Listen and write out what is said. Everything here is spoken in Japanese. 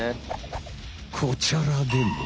こちらでも。